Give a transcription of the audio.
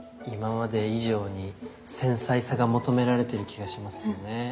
今まで以上に繊細さが求められてる気がしますよね。